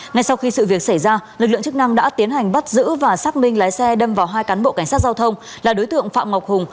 ngay sau khi sự việc xảy ra lực lượng chức năng đã tiến hành bắt giữ và xác minh lái xe đâm vào hai cán bộ cảnh sát giao thông là đối tượng phạm ngọc hùng